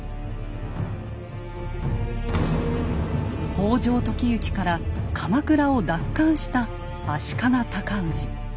北条時行から鎌倉を奪還した足利尊氏。